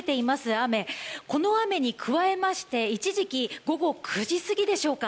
雨この雨に加えまして、一時期午後９時過ぎでしょうか